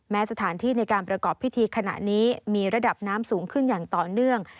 สถานที่ในการประกอบพิธีขณะนี้มีระดับน้ำสูงขึ้นอย่างต่อเนื่อง